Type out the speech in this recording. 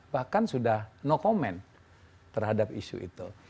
bahkan sudah no command terhadap isu itu